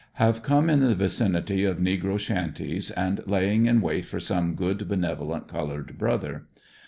Have come in the vicinity of negro shanties and laying in wait for some good benevolent colored brother.